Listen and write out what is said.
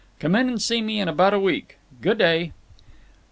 Come in and see me in about a week. Goo' day."